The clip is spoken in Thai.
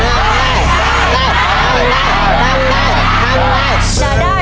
จะได้โบนัสกลับไปบ้านเท่าไร